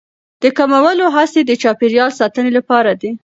د کمولو هڅې د چاپیریال ساتنې لپاره دي.